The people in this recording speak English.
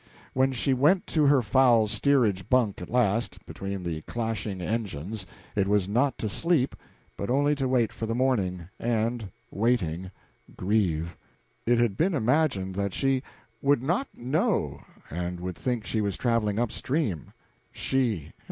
When she went to her foul steerage bunk at last, between the clashing engines, it was not to sleep, but only to wait for the morning, and, waiting, grieve. It had been imagined that she "would not know," and would think she was traveling up stream. She!